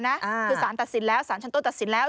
คือสารตัดสินแล้วสารชั้นต้นตัดสินแล้ว